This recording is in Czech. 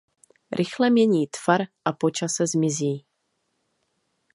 Rychle mění tvar a po čase zmizí.